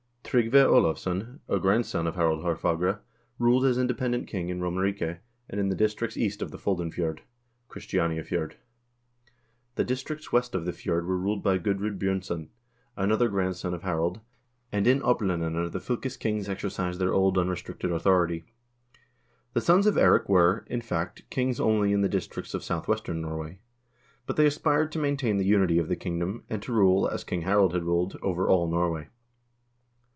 Tryggve Olavsson, a grandson of Harald Haar THE SONS OF EIRIK BLOOD AX 169 fagre, ruled as independent king in Romerike, and in the districts east of the Foldenfjord (Christianiafjord). The districts west of the fjord were ruled by Gudr0d Bj0rnsson, another grandson of Harald, and in Oplandene the fylkes kings exercised their old un restricted authority. The sons of Eirik were, in fact, kings only in the districts of southwestern Norway. But they aspired to main tain the unity of the kingdom, and to rule, as King Harald had ruled, over all Norway.